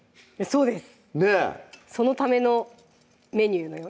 そうです